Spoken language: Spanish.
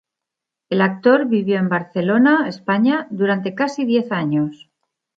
El actor vivió en Barcelona, España, durante casi diez años.